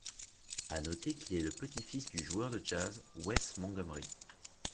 À noter qu'il est le petit-fils du joueur de jazz Wes Montgomery.